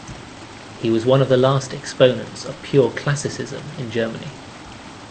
He was one of the last exponents of pure Classicism in Germany.